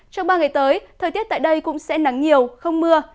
trong ba ngày tới thời tiết tại đây cũng sẽ nắng nhiều không mưa